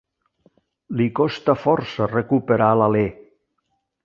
Li costa força recuperar l'alè.